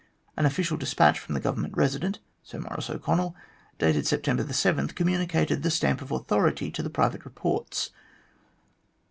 An official despatch from the Government Resident, Sir Maurice O'Connell, dated September 7, communicated the stamp of authority to the private reports.